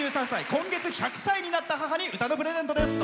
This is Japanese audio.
今月１００歳になった母に歌のプレゼントです。